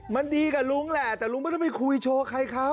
มันดีกับลุงแหละแต่ลุงไม่ได้ไปคุยโชว์ใครเขา